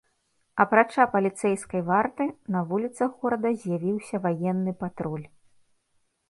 Апрача паліцэйскай варты, на вуліцах горада з'явіўся ваенны патруль.